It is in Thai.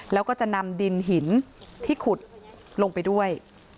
แล้วก็จะนำดินหินที่ขุดลงไปด้วย